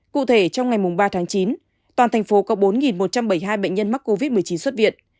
cụ thể trong ngày ba tháng chín toàn thành phố có bốn một trăm bảy mươi hai bệnh nhân mắc covid một mươi chín xuất viện